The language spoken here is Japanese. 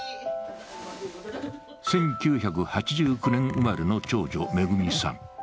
１９８９年生まれの長女、恵さん。